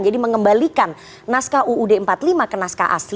jadi mengembalikan naskah uud empat puluh lima ke naskah as